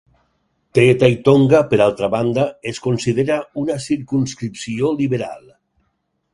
Te Tai Tonga, per altra banda, es considera una circumscripció liberal.